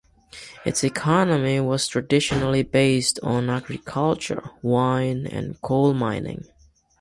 Its economy was traditionally based on agriculture, wine and coal mining.